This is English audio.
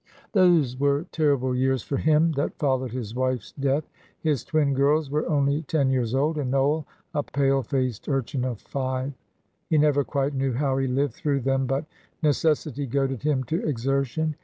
Those were terrible years for him that followed his wife's death; his twin girls were only ten years old, and Noel a pale faced urchin of five. He never quite knew how he lived through them, but necessity goaded him to exertion.